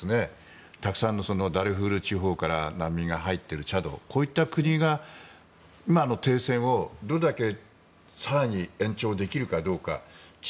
たくさん、ダルフール地方から難民が入っているチャドこういった国が停戦をどれだけ更に延長できるかどうか。